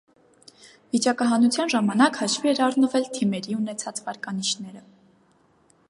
Վիճակահանության ժամանակ հաշվի էր առնվելու թիմերի ունեցած վարկանիշները։